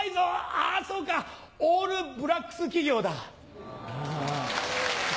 あそうかオールブラックス企業だ。